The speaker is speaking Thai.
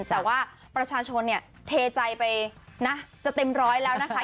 แต่ว่าประชาชนเนี่ยเทใจไปนะจะเต็มร้อยแล้วนะคะ